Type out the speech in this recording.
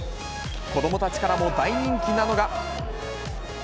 子どもたちからも大人気なのが。